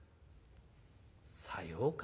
「さようか？